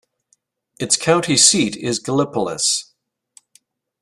Its county seat is Gallipolis.